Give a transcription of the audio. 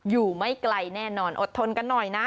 อยู่ไม่ไกลแน่นอนอดทนกันหน่อยนะ